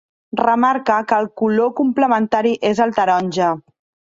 Remarque que el color complementari és el taronja.